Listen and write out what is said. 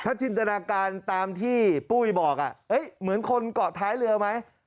จินตนาการตามที่ปุ้ยบอกเหมือนคนเกาะท้ายเรือไหม